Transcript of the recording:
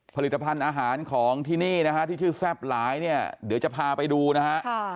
ผลิตภัณฑ์อาหารของที่นี่นะฮะที่ชื่อแซ่บหลายเนี่ยเดี๋ยวจะพาไปดูนะฮะ